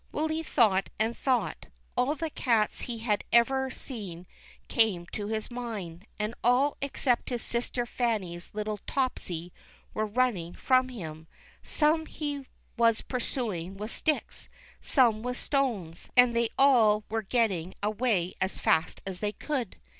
Willy thought and thought ; all the cats he had ever seen came to his mind, and all except his sister Fanny's little Topsy were running from him ; some he was pursuing with sticks, some with stones, and they all were getting away as fast as they could.